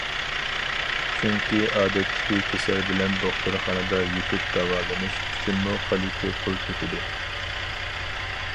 چۈنكى ئادەتتىكى كېسەل بىلەن دوختۇرخانىدا يېتىپ داۋالىنىش ئۈچۈنمۇ خېلى كۆپ پۇل كېتىدۇ.